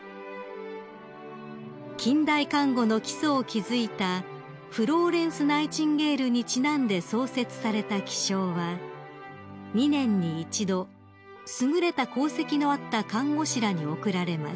［近代看護の基礎を築いたフローレンス・ナイチンゲールにちなんで創設された記章は２年に一度優れた功績のあった看護師らに贈られます］